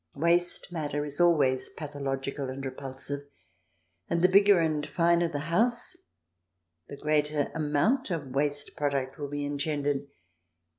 Waste matter is always pathological and repulsive, and the bigger and finer the house the greater amount of waste product will be engendered.